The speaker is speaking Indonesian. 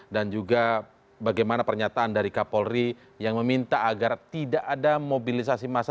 dan juga bagaimana pernyataan dari kapolri yang meminta agar tidak ada mobilisasi massa